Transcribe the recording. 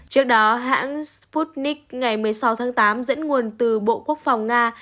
trước đó hãng sputnik ngày một mươi sáu tháng tám dẫn nguồn từ bộ quốc phòng nga